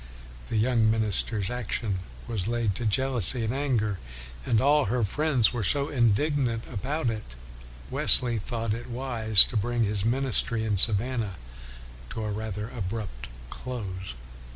The young minister's action was laid to jealousy and anger. And all her friends were so indignant about it that Wesley thought it wise to bring his min istry in Savannah to a rather abrupt close.